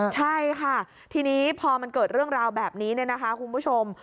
ใช่ค่ะทีนี้พอมันเกิดเรื่องราวแบบนี้เนี่ยนะคะคุณผู้ชม